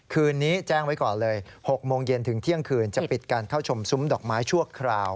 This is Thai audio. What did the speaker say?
คืนนี้แจ้งไว้ก่อนเลย๖โมงเย็นถึงเที่ยงคืนจะปิดการเข้าชมซุ้มดอกไม้ชั่วคราว